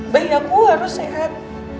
bayi aku harus sehat